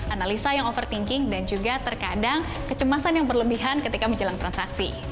analisa yang overthinking dan juga terkadang kecemasan yang berlebihan ketika menjelang transaksi